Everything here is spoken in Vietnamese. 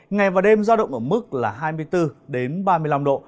ngày và đêm do động ở mức là hai mươi bốn đến ba mươi năm độ